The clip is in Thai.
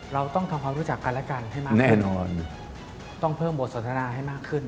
เราต้องทำความรู้จักกันและกันให้มากขึ้น